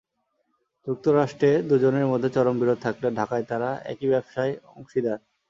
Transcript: যুক্তরাষ্ট্রে দুজনের মধ্যে চরম বিরোধ থাকলেও ঢাকায় তাঁরা একই ব্যবসায় অংশীদার।